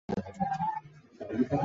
经过的铁路有拉滨铁路。